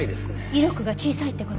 威力が小さいって事？